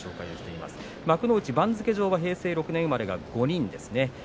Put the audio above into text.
幕内番付上は平成６年生まれが５人です。